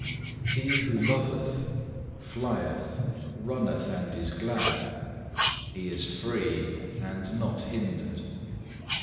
4. He who loveth flyeth, runneth, and is glad; he is free and not hindered.